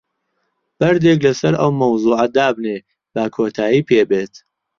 بەردێک لەسەر ئەو مەوزوعە دابنێ، با کۆتایی پێ بێت.